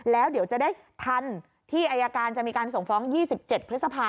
แล้วเดี๋ยวจะได้ทันที่อายการจะมีการส่งฟ้อง๒๗พฤษภา